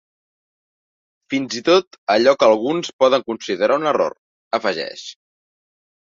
“Fins i tot allò que alguns poden considerar un error”, afegeix.